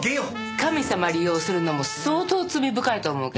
神様利用するのも相当罪深いと思うけど。